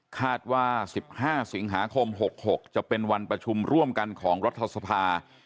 คาดว่า๑๕สิงหาคม๖๖จะเป็นวันประชุมร่วมกันของรัฐสภา